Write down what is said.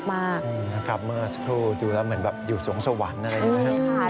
กลับเมื่อสักครู่ดูแล้วเหมือนอยู่สวงสวรรค์